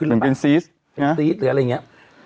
เราก็มีความหวังอะ